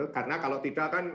karena kalau tidak kan